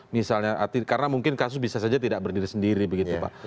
misalnya karena mungkin kasus bisa saja tidak berdiri sendiri begitu pak